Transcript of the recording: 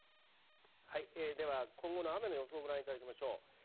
はい、では今後の雨の予想をご覧いただきましょう。